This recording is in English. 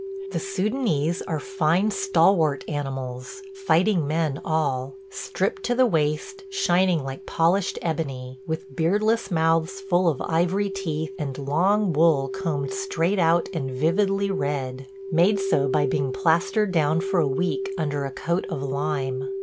The Soudanese are fine, stalwart animals – fighting men, all – stripped to the waist, shining like polished ebony, with beardless mouths full of ivory teeth, and long wool combed straight out and vividly red – made so by being plastered down for a week under a coat of lime.